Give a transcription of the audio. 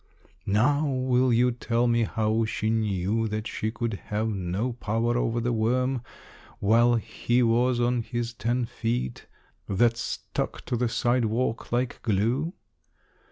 Now will you tell me how she knew that she could have no power over the worm while he was on his ten feet, that stuck to the sidewalk like glue?